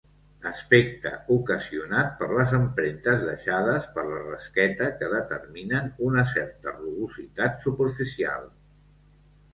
Aspecte ocasionat per les empremtes deixades per la rasqueta que determinen una certa rugositat superficial.